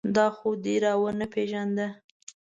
دا خو دې را و نه پېژانده.